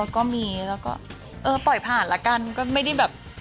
ก็มีแล้วก็เออปล่อยผ่านละกันก็ไม่ได้แบบ